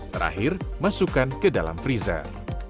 terakhir masukkan ke dalam freezer